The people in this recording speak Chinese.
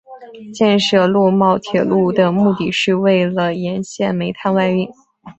建设洛茂铁路的目的是为了沿线煤炭外运。